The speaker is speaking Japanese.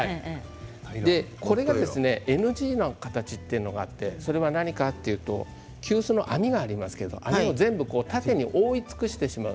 これがＮＧの形というのがあって何かというと急須の網がありますけど網を全部、縦に覆い尽くしてしまう。